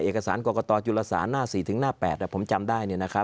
เอกสารกรกตจุฬสาห์หน้า๔๘ผมจำได้